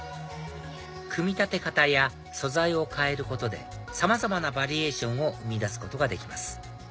組み立て方や素材を変えることでさまざまなバリエーションを生み出すことができます